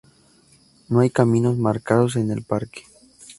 No hay caminos marcados en el parque.